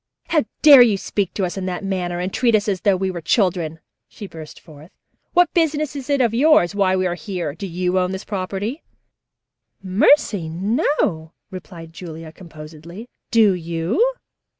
"How dare you speak to us in that manner and treat us as though we were children?" she burst forth. "What business is it of yours why we are here? Do you own this property?" "Mercy, no," replied Julia composedly. "Do you?"